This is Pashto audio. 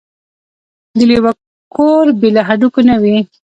د لېوه کور بې له هډوکو نه وي.